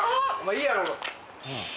いいやろ。